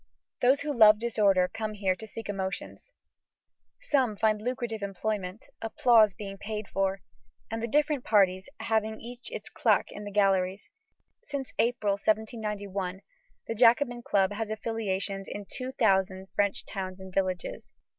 Those who love disorder come here to seek emotions. Some find lucrative employment, applause being paid for, and the different parties having each its claque in the galleries. Since April, 1791, the Jacobin Club has affiliations in two thousand French towns and villages.